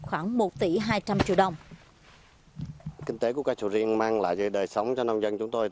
khoảng một tỷ hai trăm linh triệu đồng